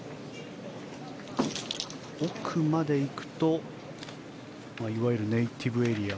奥まで行くといわゆるネイティブエリア